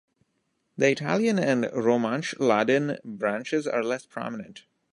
The Italian and Romansch-Ladin branches are less prominent.